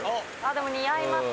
でも似合います